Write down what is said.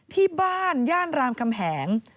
ที่บ้านย่านรามคำแหง